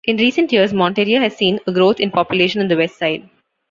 In recent years, Monteria has seen a growth in population on the west side.